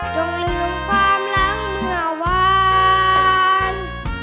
ลืมลืมความหลังเมื่อวาน